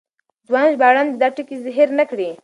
ځوان ژباړن دې دا ټکی هېر نه کړي.